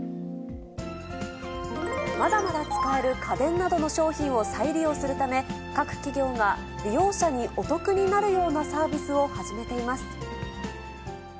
まだまだ使える家電などの商品を再利用するため、各企業が利用者にお得になるようなサービスを始めています。